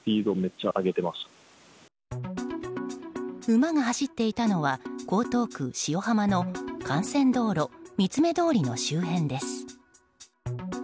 馬が走っていたのは江東区塩浜の幹線道路三ツ目通りの周辺です。